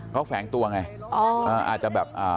เขาแฝงตัวไงอาจจะแบบ